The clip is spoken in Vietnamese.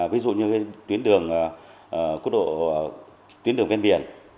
ví dụ như tuyến đường quốc độ tuyến đường ven biển